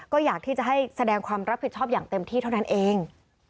ก็อยากที่จะให้แสดงความรับผิดชอบอย่างเต็มที่เท่านั้นเอง